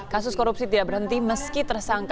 kasus korupsi tidak berhenti meski tersangka